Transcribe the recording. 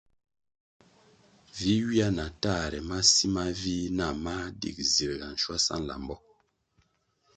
Vi ywia na tahre ma si ma vih nah mā dig zirʼga shwasa nlambo.